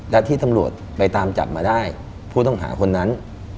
และที่ตำรวจไปตามจับมาได้ผู้ต้องหาคนนั้น